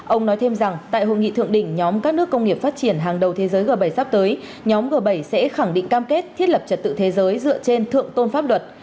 ông nói thêm rằng tại hội nghị thượng đỉnh nhóm các nước công nghiệp phát triển hàng đầu thế giới g bảy sắp tới nhóm g bảy sẽ khẳng định cam kết thiết lập trật tự thế giới dựa trên thượng tôn pháp luật